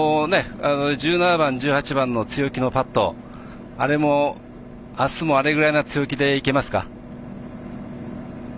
１７番、１８番の強気のパット、明日もあれぐらい強気でいけますか。